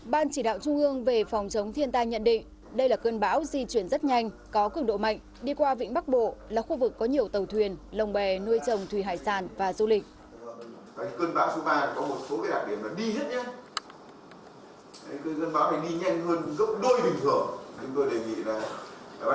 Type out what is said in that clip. ban chỉ đạo trung ương về phòng chống thiên tai nhận định đây là cơn bão di chuyển rất nhanh có cường độ mạnh đi qua vĩnh bắc bộ là khu vực có nhiều tàu thuyền lồng bè nuôi trồng thủy hải sản và du lịch